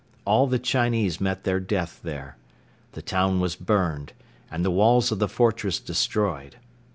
All the Chinese met their death there. The town was burned and the walls of the fortress destroyed.